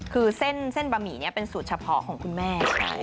คือเส้นบะหมี่นี้เป็นสูตรเฉพาะของคุณแม่